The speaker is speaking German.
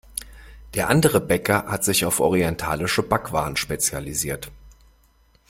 Der andere Bäcker hat sich auf orientalische Backwaren spezialisiert.